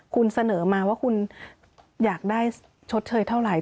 คุณเสนอมาว่าคุณอยากได้ชดเชยเท่าไหร่